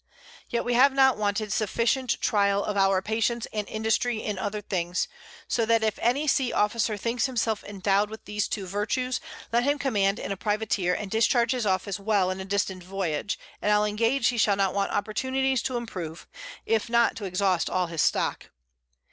Yet we have not wanted sufficient Tryal of our Patience and Industry in other things; so that if any Sea Officer thinks himself endowed with these two Virtues, let him command in a Privateer, and discharge his Office well in a distant Voyage, and I'll engage he shall not want Opportunities to improve, if not to exhaust all his Stock.